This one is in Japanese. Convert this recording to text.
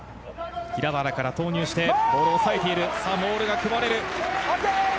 平原から投入してボールをおさえている、モールが組まれる。